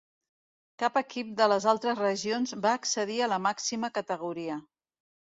Cap equip de les altres regions va accedir a la màxima categoria.